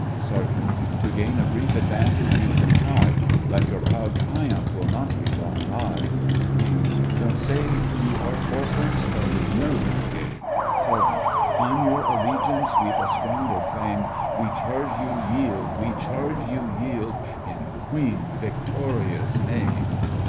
SERGEANT: To gain a brief advantage you've contrived, But your proud triumph will not be long lived KING: Don't say you are orphans, for we know that game. SERGEANT: On your allegiance we've a stronger claim. We charge you yield, we charge you yield, In Queen Victoria's name!